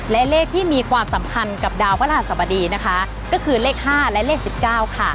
และเลขที่มีความสำคัญกับดาวพระราชสบดีนะคะก็คือเลข๕และเลข๑๙ค่ะ